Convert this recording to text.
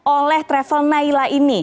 oleh travel yang berjaya di umroh ini